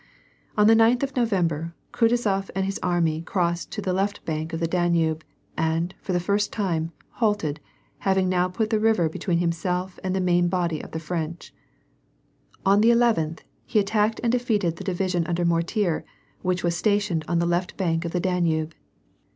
On the ninth of November, Kutuzof and his army crossed to the left bank of the Danube, and, for the first time, halted, having now put the river between himself and the main body of the French. On the eleventh, he attacked and defeated the division under Mortier, which was stationed on the left bank * NorpovaU literally: without exception, totally. • WAR AND PEACE. 177 of the Danube.